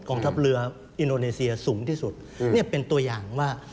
ทัพเรืออินโดนีเซียสูงที่สุดเนี่ยเป็นตัวอย่างว่า